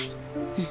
うん。